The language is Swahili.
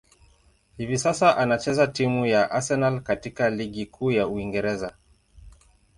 Hivi sasa, anachezea timu ya Arsenal katika ligi kuu ya Uingereza.